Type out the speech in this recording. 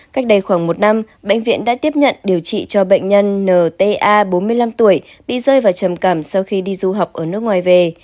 cách đây khoảng một năm bệnh viện đã tiếp nhận điều trị cho bệnh nhân nta bốn mươi năm tuổi bị rơi vào trầm cảm sau khi đi du học ở nước ngoài về